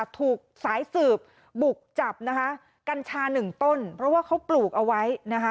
ถูกสายสืบบุกจับนะคะกัญชาหนึ่งต้นเพราะว่าเขาปลูกเอาไว้นะคะ